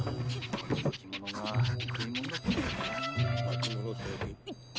この巻物が食いもんだったら。